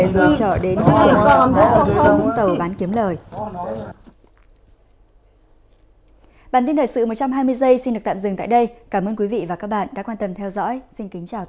rồi trở đến phía đoàn hóa của vũng tàu bán kiếm lời